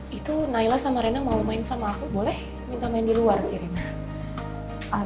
itu naila sama rena mau main sama aku boleh minta main di luar si rina